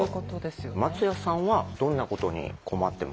松谷さんはどんなことに困ってますか？